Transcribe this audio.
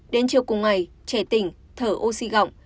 đến chiều cùng ngày trẻ tỉnh thở oxy gọng